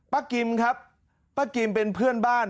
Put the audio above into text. กิมครับป้ากิมเป็นเพื่อนบ้าน